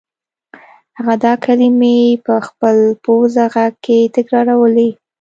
هغه دا کلمې په خپل پوزه غږ کې تکرارولې